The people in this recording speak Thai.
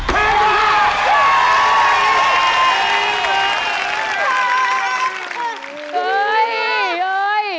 แพงกว่า